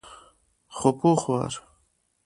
خو پوخ وار.